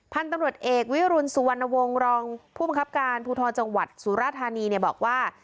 พันธุ์ตำรวจเอกวิรุณสุวรรณวงศ์รองผู้บังคับการภูทรจังหวัดสุราธานีเนี่ยบอกว่า